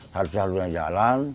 harus jalurnya jalan